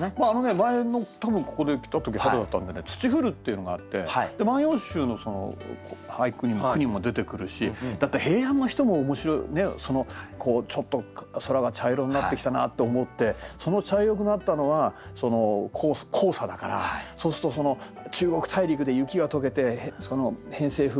あのね前も多分ここに来た時春だったんでね「霾」っていうのがあってで「万葉集」の俳句にも句にも出てくるしだって平安の人も面白いちょっと空が茶色になってきたなと思ってその茶色くなったのは黄砂だからそうすると中国大陸で雪が解けて偏西風